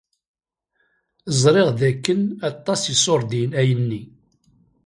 Ẓṛiɣ dakken aṭas iṣurdiyen ayenni.